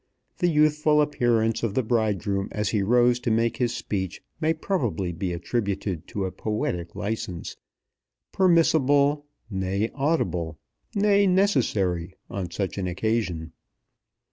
The youthful appearance of the bridegroom as he rose to make his speech may probably be attributed to a poetic license, permissible, nay laudable, nay necessary on such an occasion.